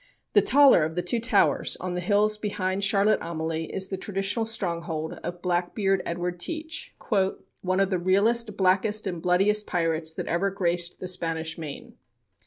The taller of the two towers on the hills behind Charlotte Amalie is the traditional stronghold of Black Beard Edward Teach, "one of the realest, blackest and bloodiest pirates that ever graced the Spanish Main.